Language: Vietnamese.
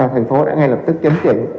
thành phố đã ngay lập tức chấm chỉnh